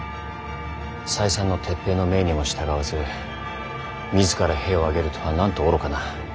再三の撤兵の命にも従わず自ら兵を挙げるとはなんと愚かな。